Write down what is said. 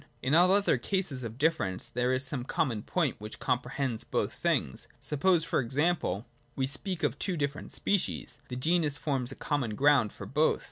In all other cases of difference there is some common point which comprehends both things. Suppose e.g. we speak of two different species : the genus forms a common ground for both.